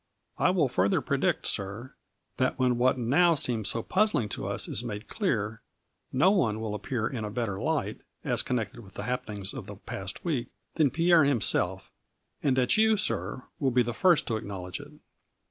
I will further predict, sir that when what now seems so puzzling to us is made clear, no one will appear in a better light, as connected with the happenings of the past week, than Pierre himself, and that you, sir, will be the first to acknowledge it."